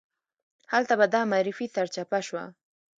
هلته به دا معرفي سرچپه شوه.